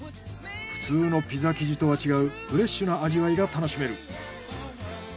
普通のピザ生地とは違うフレッシュな味わいが楽しめる。